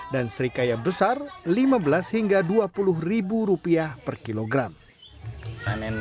dan serikaya besar rp lima belas hingga rp dua puluh per kilogram